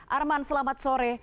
arman selamat sore